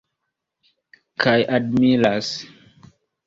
Kaj admiras.